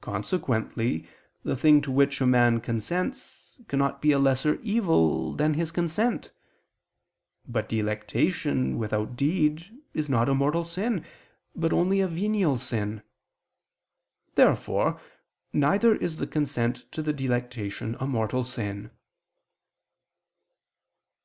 Consequently the thing to which a man consents cannot be a lesser evil than his consent. But delectation without deed is not a mortal sin, but only a venial sin. Therefore neither is the consent to the delectation a mortal sin.